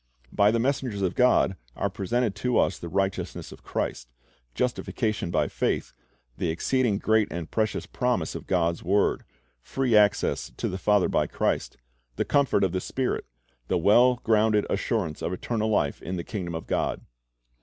By the messengers of God are presented to us the righteousness of Christ, justification by faith, the exceeding great and precious promises of God's word, free access to the Father by Christ, the comfort of the Spirit, the well grounded assurance of eternal life in the kingdom of God.